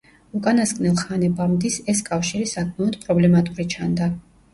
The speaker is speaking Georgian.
უკანასკნელ ხანებამდის ეს კავშირი საკმაოდ პრობლემატური ჩანდა.